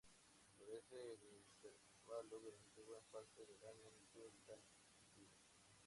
Florece a intervalos durante buena parte del año en su hábitat nativo.